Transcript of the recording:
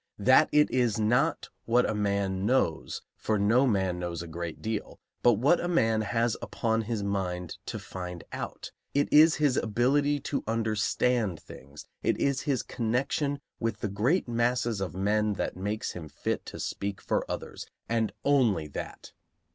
That it is not what a man knows, for no man knows a great deal, but what a man has upon his mind to find out; it is his ability to understand things, it is his connection with the great masses of men that makes him fit to speak for others, and only that.